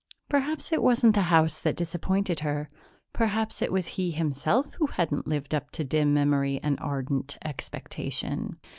Perhaps it wasn't the house that disappointed her; perhaps it was he himself who hadn't lived up to dim memory and ardent expectation.